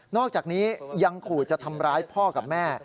อกจากนี้ยังขู่จะทำร้ายพ่อกับแม่